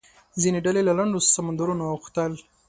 ځینې ډلې له لنډو سمندرونو اوښتل.